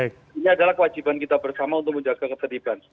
ini adalah kewajiban kita bersama untuk menjaga ketertiban